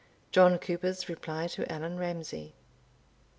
John Cooper's Reply to Allan Ramsay.